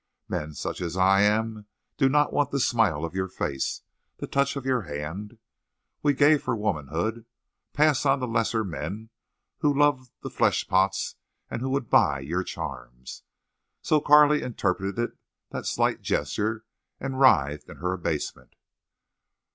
Men such as I am do not want the smile of your face, the touch of your hand! We gave for womanhood! Pass on to lesser men who loved the fleshpots and who would buy your charms! So Carley interpreted that slight gesture, and writhed in her abasement.